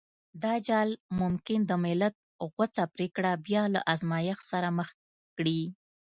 دا جال ممکن د ملت غوڅه پرېکړه بيا له ازمایښت سره مخ کړي.